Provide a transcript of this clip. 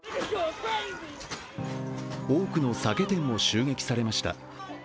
多くの酒店も襲撃されました。